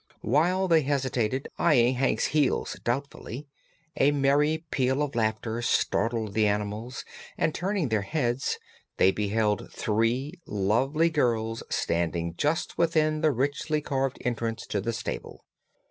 While they hesitated, eyeing Hank's heels doubtfully, a merry peal of laughter startled the animals and turning their heads they beheld three lovely girls standing just within the richly carved entrance to the stable.